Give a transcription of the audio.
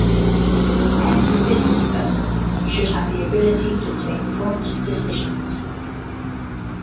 Hence, a businessperson should have the ability to take prompt decisions.